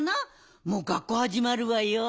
もう学校はじまるわよ。